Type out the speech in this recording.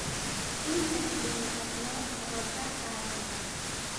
این کثیرالاضلاع دوازده بر دارد.